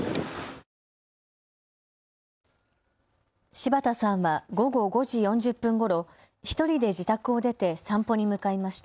柴田さんは午後５時４０分ごろ、１人で自宅を出て散歩に向かいました。